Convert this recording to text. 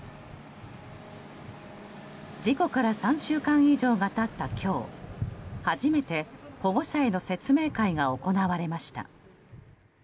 事故から３週間以上が経った今日初めて保護者への説明会が行われました。